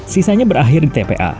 sisanya berakhir di tpa